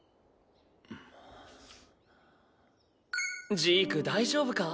ジーク大丈夫か？